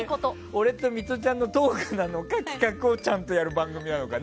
俺とミトちゃんのトークなのか企画をちゃんとやる番組なのか。